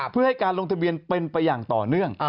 เพื่อให้การลงทะเบียนเป็นไปอย่างต่อเนื่อง